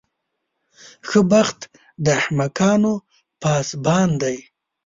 ښه بخت د احمقانو پاسبان دی.